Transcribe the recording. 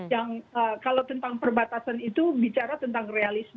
yang kalau tentang perbatasan itu bicara tentang realisme